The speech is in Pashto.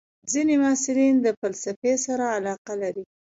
ځینې محصلین د فلسفې سره علاقه لري.